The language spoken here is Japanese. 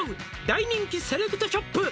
「大人気セレクトショップ